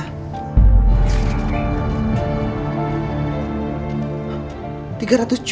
buku tabungan siapa ini